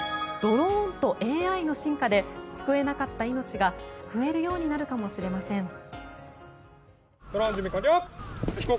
ドローンとＡＩの進化で救えなかった命が救えるようになるかもしれません。